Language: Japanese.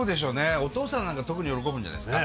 お父さんなんか特に喜ぶんじゃないですか？